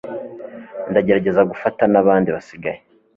ndagerageza gufata nabandi basigaye